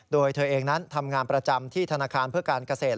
โดยเธอเองนั้นทำงานประจำที่ธนาคารเพื่อการเกษตร